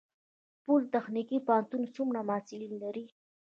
پولي تخنیک پوهنتون څومره محصلین لري؟